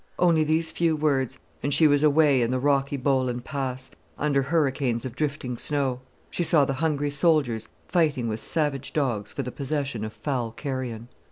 Only these few words, and she was away in the rocky Bolan Pass, under hurricanes of drifting snow; she saw the hungry soldiers fighting with savage dogs for the possession of foul carrion.